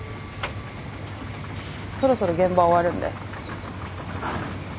そろそろ現場終わるんで。